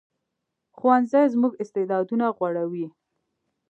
ښوونځی زموږ استعدادونه غوړوي